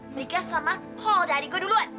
mereka sama paul dari gue duluan